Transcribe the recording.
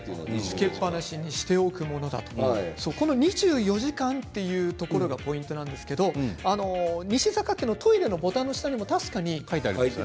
つけっぱなしにしておくものだと２４時間というところがポイントなんですけど西坂家のトイレのボタンの下にも確かに書いてありました。